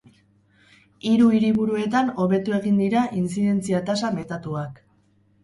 Hiru hiriburuetan hobetu egin dira intzidentzia-tasa metatuak.